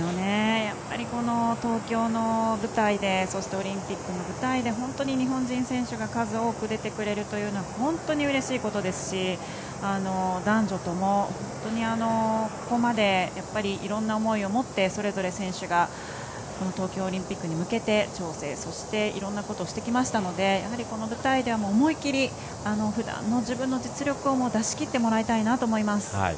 やはり、この東京の舞台でそしてオリンピックの舞台で本当に日本人選手が数多く出てくれるというのは本当にうれしいことですし男女とも、本当にここまでいろんな思いをもってそれぞれいろんな選手が東京オリンピックに向けて調整そしていろんなことをしてきましたのでやはり、この舞台では思い切りふだんの自分の実力を出しきってもらいたいなと思います。